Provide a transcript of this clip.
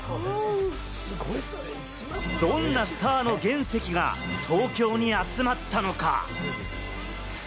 どんなスターの原石が東京に集まったのか？